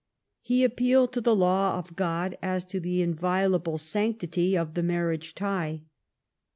He appealed to the law of God as to the inviolable sanctity of the marriage tie.